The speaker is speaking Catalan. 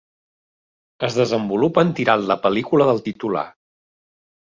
Es desenvolupen tirant la pel·lícula del titular.